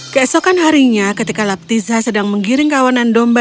keesokan harinya ketika laptiza sedang menggiring kawanan domba